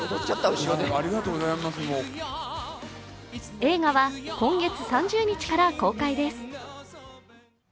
映画は今月３０日から公開です。